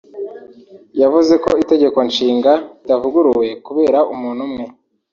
yavuze ko Itegeko Nshinga ritavuguruwe kubera umuntu umwe